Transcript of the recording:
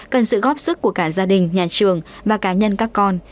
cần sự góp sức của cả gia đình nhà trường và cá nhân các con